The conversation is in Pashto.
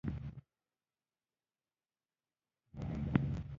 هغه به د غوښتنو په باره کې معلومات راکړي.